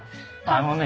あのね。